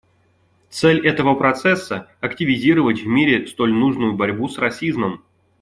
Цель этого процесса — активизировать в мире столь нужную борьбу с расизмом.